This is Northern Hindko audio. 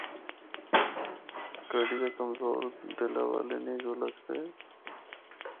گڈی تے کمزور دلا والے نیں جُل ہکدے۔